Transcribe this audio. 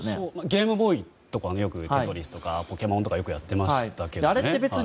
ゲームボーイとかで「テトリス」とか「ポケモン」とかよくやってましたけどね。